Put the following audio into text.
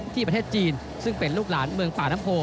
ประเทศจีนซึ่งเป็นลูกหลานเมืองป่าน้ำโพ